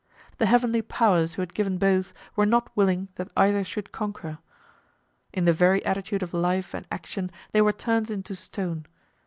The heavenly powers who had given both were not willing that either should conquer. In the very attitude of life and action they were turned into stone.